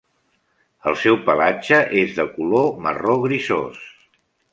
El seu pelatge és de color marró grisos.